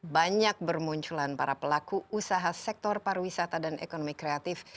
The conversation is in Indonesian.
banyak bermunculan para pelaku usaha sektor pariwisata dan ekonomi kreatif